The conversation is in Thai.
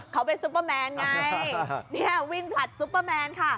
เขาเป็นซุปเปอร์แมนไงเนี่ยวิ่งผลัดซุปเปอร์แมนค่ะ